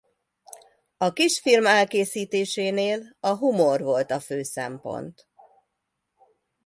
A kis film elkészítésénél a humor volt a fő szempont.